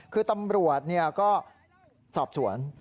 คือตำรวจก็สอบสวน